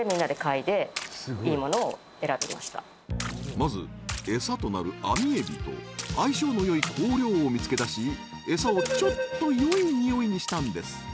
まずエサとなるアミエビと相性の良い香料を見つけ出しエサをちょっと良いニオイにしたんです！